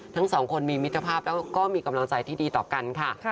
ทั้งสองคนมีมิตรภาพแล้วก็มีกำลังใจที่ดีต่อกันค่ะ